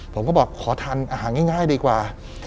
ผมก็บอกขอทานอาหารง่ายดีกว่า